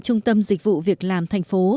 trung tâm dịch vụ việc làm tp